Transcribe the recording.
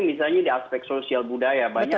misalnya di aspek sosial budaya banyak